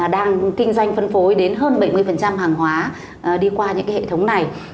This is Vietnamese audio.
đang kinh doanh phân phối đến hơn bảy mươi hàng hóa đi qua những hệ thống này